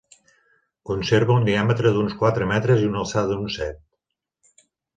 Conserva un diàmetre d'uns quatre metres i una alçada d'uns set.